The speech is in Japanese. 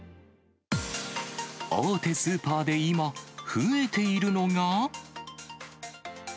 大手スーパーで今、増えているのが。